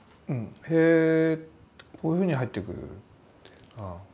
へえこういうふうに入ってくるって。